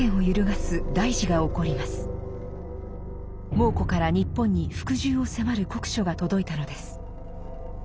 蒙古から日本に服従を迫る国書が届いたのです。